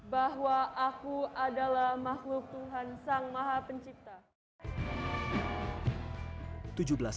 bahwa aku adalah makhluk tuhan sang maha pencipta